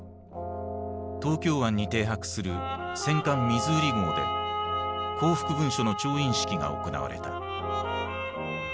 東京湾に停泊する戦艦ミズーリ号で降伏文書の調印式が行われた。